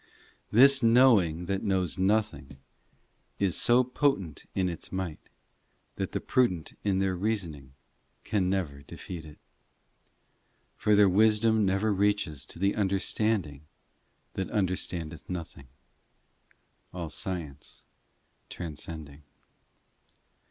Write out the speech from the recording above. VI This knowing that knows nothing Is so potent in its might That the prudent in their reasoning Never can defeat it ; For their wisdom never reaches To the understanding that understandeth nothing, All science transcending.